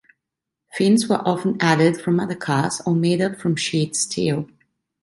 Fins were often added from other cars, or made up from sheet steel.